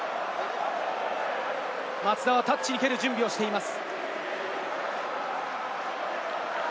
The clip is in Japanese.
松田はタッチに蹴る準備をしています。